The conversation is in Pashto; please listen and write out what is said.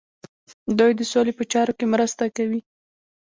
دوی د سولې په چارو کې مرسته کوي.